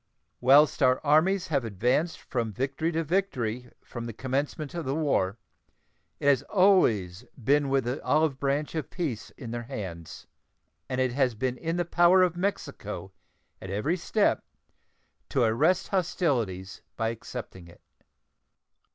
Whilst our armies have advanced from victory to victory from the commencement of the war, it has always been with the olive branch of peace in their hands, and it has been in the power of Mexico at every step to arrest hostilities by accepting it.